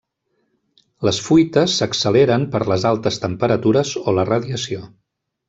Les fuites s'acceleren per les altes temperatures o la radiació.